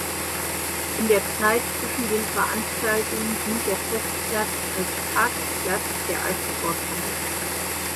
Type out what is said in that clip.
In der Zeit zwischen den Veranstaltungen dient der Festplatz als Parkplatz der Eissporthalle.